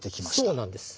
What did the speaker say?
そうなんです。